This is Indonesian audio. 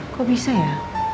kok bisa ya